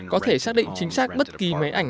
có thể xác định chính xác bất kỳ máy ảnh